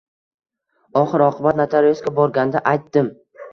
Oxir-oqibat notariusga borganda aytdim.